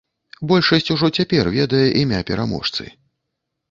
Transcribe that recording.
Большасць ужо цяпер ведае імя пераможцы.